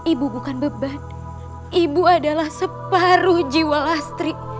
ibu bukan beban ibu adalah separuh jiwa lastri